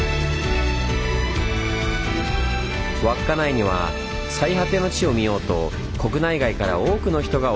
稚内には最果ての地を見ようと国内外から多くの人が訪れます。